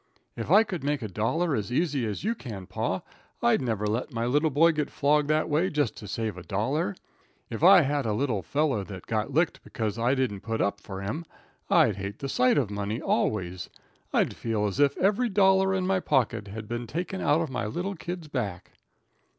If I could make a dollar as easy as you can, pa, I'd never let my little boy get flogged that way just to save a dollar. If I had a little feller that got licked bekuz I didn't put up for him, I'd hate the sight of money always. I'd feel as if every dollar in my pocket had been taken out of my little kid's back."